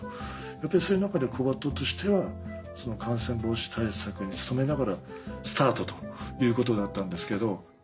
やっぱりそういう中で「小鳩」としては感染防止対策に努めながらスタートということだったんですけど。